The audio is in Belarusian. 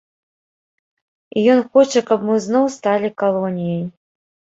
І ён хоча, каб мы зноў сталі калоніяй.